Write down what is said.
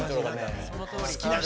好きな人。